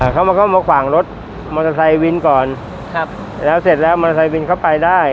เขามาเข้ามาขวางรถมอเตอร์ไซค์วินก่อนครับแล้วเสร็จแล้วมอเตอร์ไซค์วินเขาไปได้